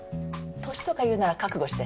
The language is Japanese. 年とか言うなら覚悟して。